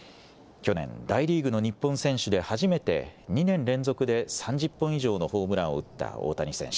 去年、大リーグの日本選手で初めて２年連続で３０本以上のホームランを打った大谷選手。